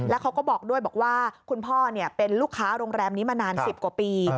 แล้วเขาก็บอกด้วยบอกว่าคุณพ่อเป็นลูกค้าโรงแรมนี้มานาน๑๐กว่าปี